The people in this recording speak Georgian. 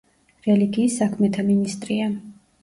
რელიგიის საქმეთა მინისტრია.